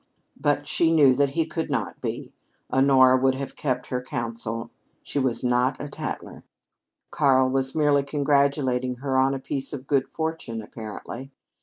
But she knew that could not be. Honora would have kept her counsel; she was not a tattler. Karl was merely congratulating her on a piece of good fortune, apparently.